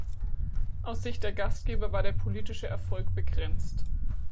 Aus Sicht der Gastgeber war der politische Erfolg begrenzt.